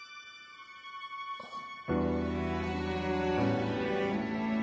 あっ。